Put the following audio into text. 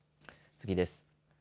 次です。